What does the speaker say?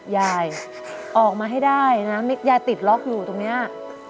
ยายออกมาให้ได้นะยายติดล็อกอยู่ตรงนี้